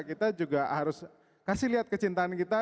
kita juga harus kasih lihat kecintaan kita